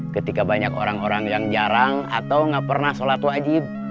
ketika banyak orang orang yang jarang atau nggak pernah sholat wajib